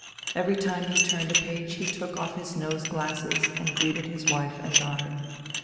Every time he turned a page he took off his nose glasses and greeted his wife and daughter.